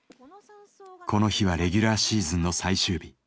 この日はレギュラーシーズンの最終日。